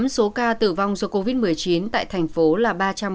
số ca tử vong do covid một mươi chín tại thành phố là ba trăm ba mươi